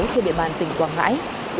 trên địa bàn tỉnh quảng bình